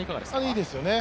いいですよね。